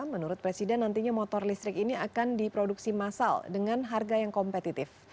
menurut presiden nantinya motor listrik ini akan diproduksi masal dengan harga yang kompetitif